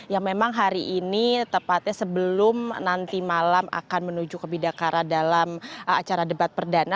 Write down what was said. yang memang hari ini tepatnya sebelum nanti malam akan menuju ke bidakara dalam acara debat perdana